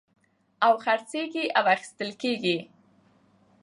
او خرڅېږي او اخيستل کېږي.